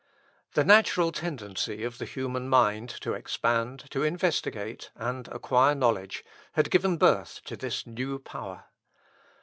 The natural tendency of the human mind to expand, to investigate, and acquire knowledge, had given birth to this new power.